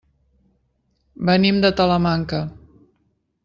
Venim de Talamanca.